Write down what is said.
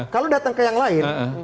kalau datang ke yang lain